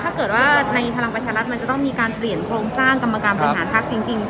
ถ้าเกิดว่าในพลังประชารัฐมันจะต้องมีการเปลี่ยนโครงสร้างกรรมการบริหารพักจริง